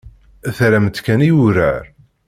Terram-tt kan i wurar.